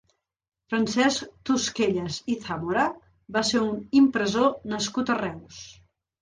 Francesc Tosquellas i Zamora va ser un impressor nascut a Reus.